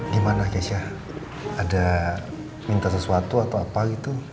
gimana keisha ada minta sesuatu atau apa gitu